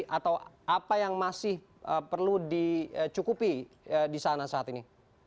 atau apa yang masih perlu dicukupi di sana saat ini